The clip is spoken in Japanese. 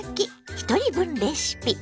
ひとり分レシピ」。